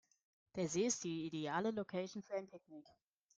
Der See ist die ideale Location für ein Picknick.